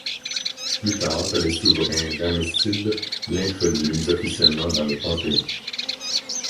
Plus tard les souverains ramessides l'introduisent officiellement dans le panthéon.